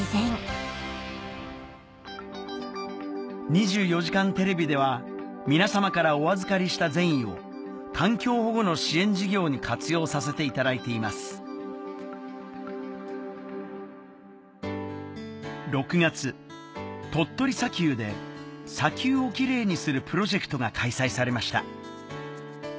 『２４時間テレビ』では皆さまからお預かりした善意を環境保護の支援事業に活用させていただいていますで「砂丘をきれいにするプロジェクト」が開催されました